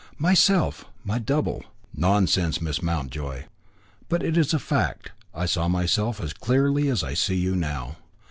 "Myself my double." "Nonsense, Miss Mountjoy." "But it is a fact. I saw myself as clearly as I see you now.